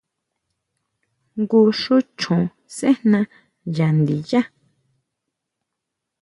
Jngu xú choon sejna yá ndiyá.